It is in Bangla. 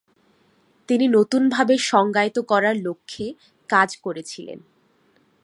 তিনি নতুনভাবে সংজ্ঞায়িত করার লক্ষ্যে কাজ করেছিলেন।